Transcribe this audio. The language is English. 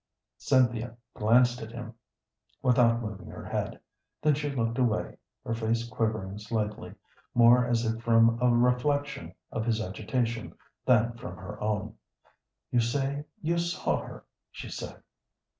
Cynthia glanced at him without moving her head, then she looked away, her face quivering slightly, more as if from a reflection of his agitation than from her own. "You say you saw her," she said.